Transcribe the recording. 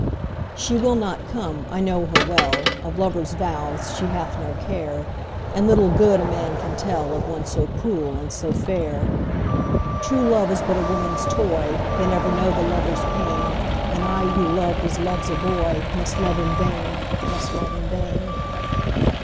She will not come, I know her well, Of lover's vows she hath no care, And little good a man can tellOf one so cruel and so fair. True love is but a woman's toy, They never know the lover's pain, And I who loved as loves a boyMust love in vain, must love in vain.